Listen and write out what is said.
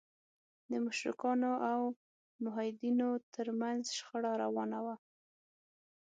د مشرکانو او موحدینو تر منځ شخړه روانه وه.